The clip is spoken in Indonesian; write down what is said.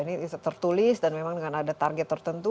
ini tertulis dan memang dengan ada target tertentu